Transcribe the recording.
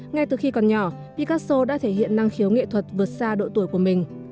ngay từ khi còn nhỏ icaso đã thể hiện năng khiếu nghệ thuật vượt xa độ tuổi của mình